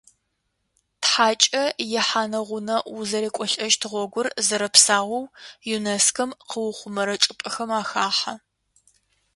Тхьакӏэ ихьанэ-гъунэ узэрекӏолӏэщт гъогур зэрэпсаоу ЮНЕСКО-м къыухъумэрэ чӏыпӏэхэм ахахьэ.